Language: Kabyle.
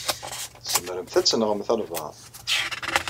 Tzemremt ad tenɣemt albaɛḍ.